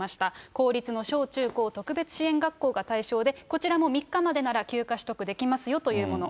公立の小中高特別支援学校が対象で、こちらも３日までなら休暇取得できますよというもの。